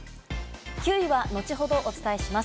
９位は後ほどお伝えします。